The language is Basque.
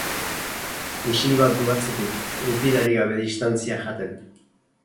Misil bat du atzetik, gupidarik gabe distantzia jaten.